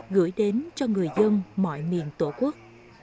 gửi đến cho người dân mọi miền tổ quốc